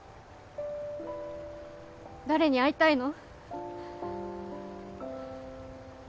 誰に会いたいの？